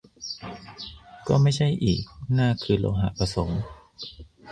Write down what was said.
ก็ไม่ใช่อีก นากคือโลหะผสม